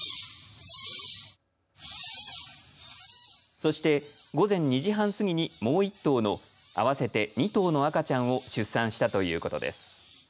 そして、午前２時半すぎにもう１頭の合わせて２頭の赤ちゃんを出産したということです。